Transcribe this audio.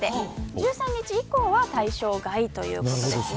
１３日以降は対象外ということですね。